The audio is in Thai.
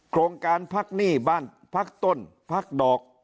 โครงการพักหนี้บ้านพักต้นพักดอก